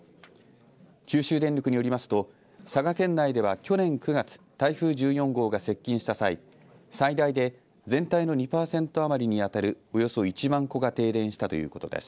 九州電力によりますと佐賀県内では去年９月台風１４号が接近した際最大で全体の２パーセント余りに当たるおよそ１万戸が停電したということです。